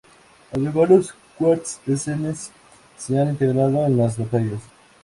Además, los cut-scenes se han integrado en las batallas.